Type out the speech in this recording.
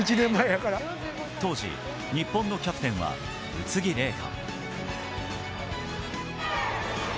当時、日本のキャプテンは宇津木麗華。